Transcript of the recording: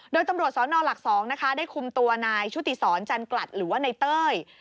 โดยตำรวจสนหลัก๒นะคะได้คุมตัวนายชุติศรจันกลัดหรือว่าในเต้ย